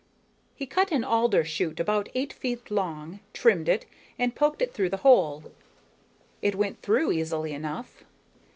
He cut an alder shoot about eight feet long, trimmed it, and poked it through the hole. It went through easily enough.